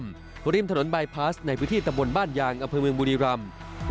ริมถนนบายพาสในพื้นที่ตำบลบ้านยางอำเภอเมืองบุรีรำ